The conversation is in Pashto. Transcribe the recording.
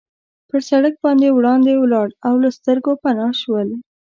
پر سړک باندې وړاندې ولاړل او له سترګو پناه شول.